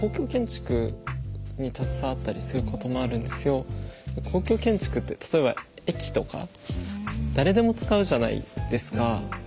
私は建築で公共建築って例えば駅とか誰でも使うじゃないですか。